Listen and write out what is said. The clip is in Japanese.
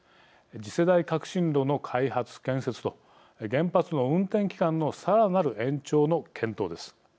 次世代革新炉の開発・建設と原発の運転期間のさらなる延長の検討です。